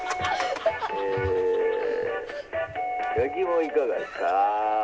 えっ焼き芋いかがですか？